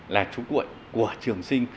là chú quệ của trường sinh